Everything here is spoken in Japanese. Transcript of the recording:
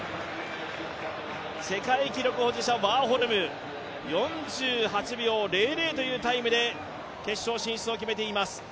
世界記録保持者、ワーホルム、４８秒００というタイムで決勝進出を決めています。